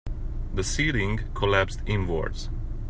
The ceiling collapsed inwards.